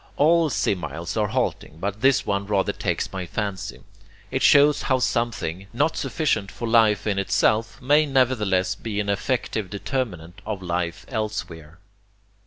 All similes are halting but this one rather takes my fancy. It shows how something, not sufficient for life in itself, may nevertheless be an effective determinant of life elsewhere.